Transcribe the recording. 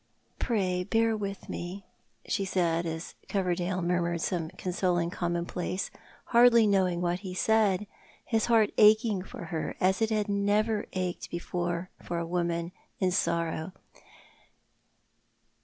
"Pray, bear witli me," she said, as Coverdale murmnred some consoling commonplace, hardly knowing what ho said, his heart jiching for her as it had never ached before for a woman in sorrow.